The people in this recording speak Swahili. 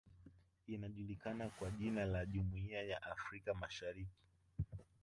Inajulikana kwa jina la Jumuiya ya Afrika masahariki